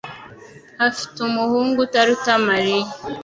afite umuhungu utaruta Mariya.